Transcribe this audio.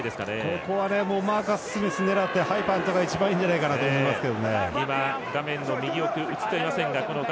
ここはマーカス・スミス狙ってハイパントが一番いいんじゃないかと思いますが。